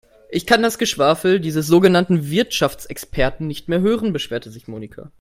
"Ich kann das Geschwafel dieses sogenannten Wirtschaftsexperten nicht mehr hören", beschwerte sich Monika.